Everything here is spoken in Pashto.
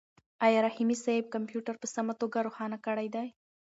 آیا رحیمي صیب کمپیوټر په سمه توګه روښانه کړی دی؟